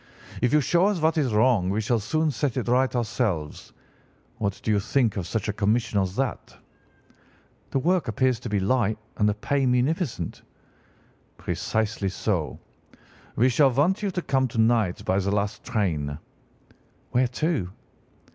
If you show us what is wrong we shall soon set it right ourselves. What do you think of such a commission as that?' "'The work appears to be light and the pay munificent.' "'Precisely so. We shall want you to come to night by the last train.' "'Where to?